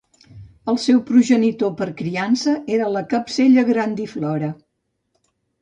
El seu progenitor per criança era la "Capsella grandiflora".